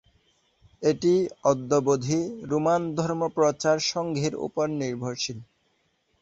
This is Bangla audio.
এটি অদ্যাবধি রোমান ধর্মপ্রচার সংঘের ওপর নির্ভরশীল।